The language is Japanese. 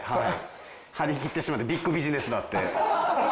張りきってしまってビッグビジネスだって。